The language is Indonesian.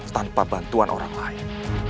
tanpa bantuan orang lain